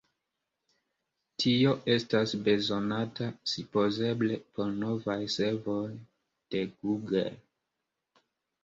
Tio estas bezonata supozeble por novaj servoj de Google.